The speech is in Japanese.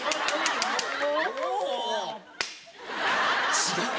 違う。